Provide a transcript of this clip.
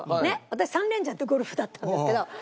私３連チャンでゴルフだったんですけど。